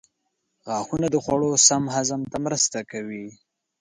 غاښونه د خوړو سم هضم ته مرسته کوي.